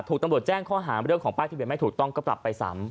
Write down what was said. ถูกตำรวจแจ้งข้อหารเรื่องของป้ายที่เป็นไม่ถูกต้องก็ปรับไปสาม